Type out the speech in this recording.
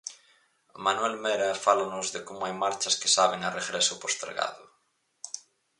Manuel Mera fálanos de como hai marchas que saben a regreso postergado.